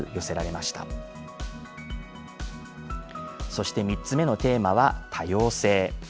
そして、３つ目のテーマは「多様性」。